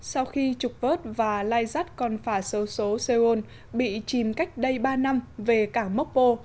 sau khi trục vớt và lai rắt con phả sâu số seoul bị chìm cách đây ba năm về cảng mokpo